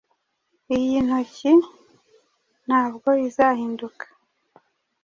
Iyi ntoki ntabwo izahinduka